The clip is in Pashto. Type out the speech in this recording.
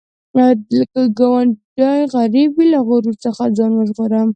که ګاونډی غریب وي، له غرور څخه ځان وژغوره